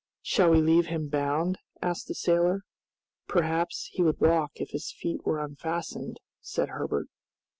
"Shall we leave him bound?" asked the sailor. "Perhaps he would walk if his feet were unfastened," said Herbert.